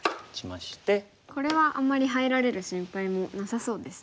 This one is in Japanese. これはあんまり入られる心配もなさそうですね。